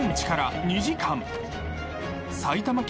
［埼玉県